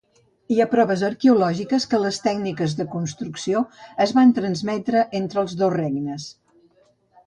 Hi ha proves arqueològiques que les tècniques de construcció es van transmetre entre els dos regnes.